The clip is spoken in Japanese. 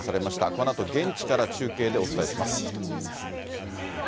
このあと現地から中継でお伝えします。